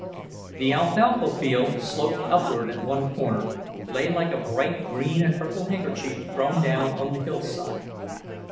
The alfalfa field sloped upward at one corner, lay like a bright green and purple handkerchief thrown down on the hillside.